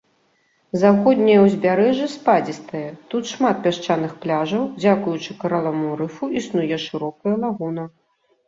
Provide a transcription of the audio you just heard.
Заходняе ўзбярэжжа спадзістае, тут шмат пясчаных пляжаў, дзякуючы каралаваму рыфу існуе шырокая лагуна.